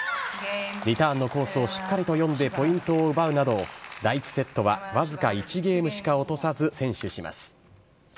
リターンのコースをしっかりと読んで、ポイントを奪うなど、第１セットは僅か１ゲームしか落とさず、先取します。